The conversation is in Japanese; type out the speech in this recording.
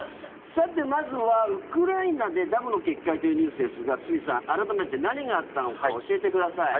さて、まずはウクライナでダムの決壊というニュースですが堤さん、改めて何があったのか教えてください。